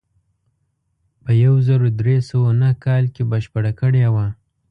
په یو زر درې سوه نهه کال کې بشپړه کړې وه.